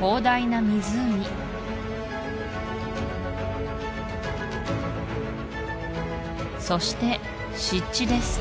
広大な湖そして湿地です